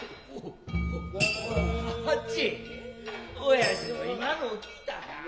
親仁の今のを聞いたか。